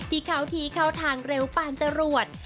ที่เข้าทีเข้าทางเร็วปานจรวด